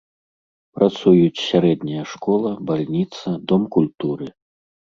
Працуюць сярэдняя школа, бальніца, дом культуры.